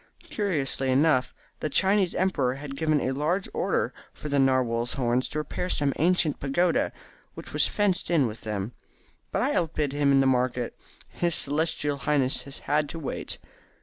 Curiously enough, the Chinese Emperor had given a large order for narwhals' horns to repair some ancient pagoda, which was fenced in with them, but I outbid him in the market, and his celestial highness has had to wait.